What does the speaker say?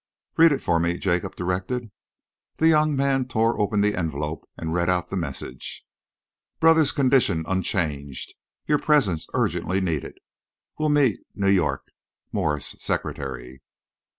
"Read it for me," Jacob directed. The young man tore open the envelope and read out the message: Brother's condition unchanged. Your presence urgently needed. Will meet New York. Morse, Secretary.